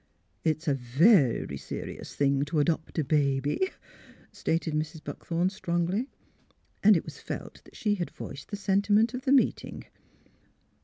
'' It's a ver ry se rious thing to adopt a ba by," stated Mrs. Buckthorn, strongly. And it was felt that she had voiced the sentiment of the meeting.